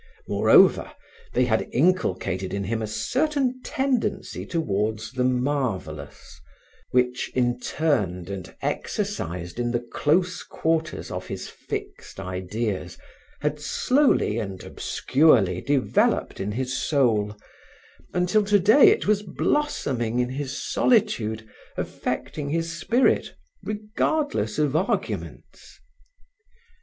Moreover, they had inculcated in him a certain tendency towards the marvelous which, interned and exercised in the close quarters of his fixed ideas, had slowly and obscurely developed in his soul, until today it was blossoming in his solitude, affecting his spirit, regardless of arguments.